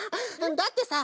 だってさ